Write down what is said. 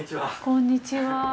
こんにちは。